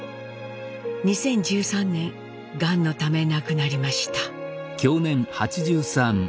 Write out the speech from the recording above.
２０１３年がんのため亡くなりました。